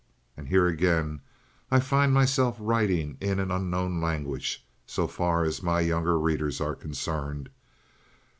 And here again I find myself writing in an unknown language, so far as my younger readers are concerned.